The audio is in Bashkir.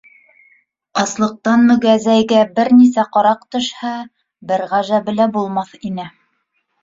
Аслыҡтан мөгәзәйгә бер нисә ҡараҡ төшһә, бер ғәжәбе лә булмаҫ ине.